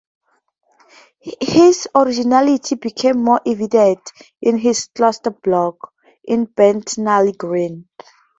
His originality became more evident in his 'cluster blocks' in Bethnal Green.